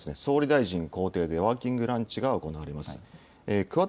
このあとは総理大臣公邸でワーキングランチが行われます。